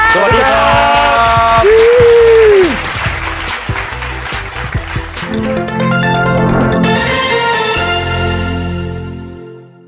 สวัสดีครับ